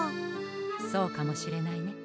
そうかもしれないね。